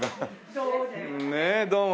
ねえどうも。